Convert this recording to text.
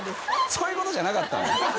そういうことじゃなかったんだ。